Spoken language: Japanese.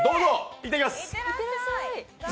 いってきます！